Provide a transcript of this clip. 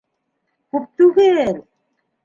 Күп түгел.